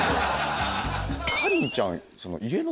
かりんちゃん。